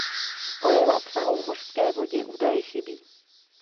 O jeho obsahu v mořské vodě údaje chybí.